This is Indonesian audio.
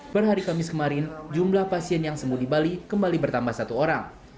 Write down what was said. per hari kamis kemarin jumlah pasien yang sembuh di bali kembali bertambah satu orang